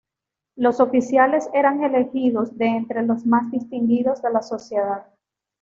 Los oficiales eran elegidos de entre los más distinguidos de la sociedad.